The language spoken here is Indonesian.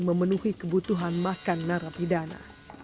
memenuhi kebutuhan makan narapidana